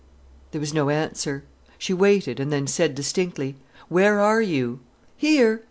There was no answer. She waited, and then said distinctly: "Where are you?" "Here!"